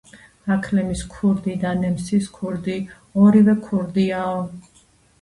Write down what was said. აქლემის ქურდი და ნემსის ქურდი, ორივე ქურდიაო